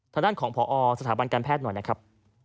ทางด้านของพอสถาบันการแพทย์หน่อยนะครับ